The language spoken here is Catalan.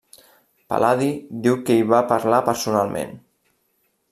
Pal·ladi diu que hi va parlar personalment.